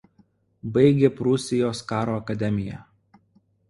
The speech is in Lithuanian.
Baigė Prūsijos karo akademiją.